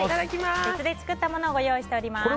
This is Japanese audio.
別で作ったものをご用意しています。